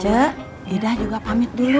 ida juga pamit dulu